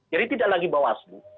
jadi tidak lagi bawaslu